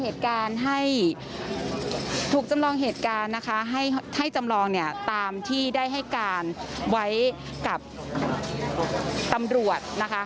ถูกจำลองเหตุการณ์ให้จำลองเนี่ยตามที่ได้ให้การไว้กับตำรวจนะคะ